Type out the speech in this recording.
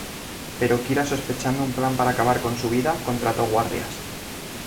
Pero Kira sospechando un plan para acabar con su vida, contrató guardias.